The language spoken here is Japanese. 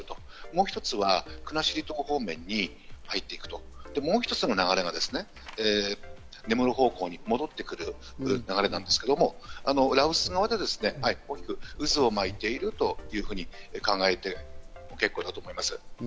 もう１つは国後島方面に入っていく、もう一つの流れが戻ってくる流れになるんですけど、羅臼側で大きく渦を巻いているというふうに考えて結構だと思います。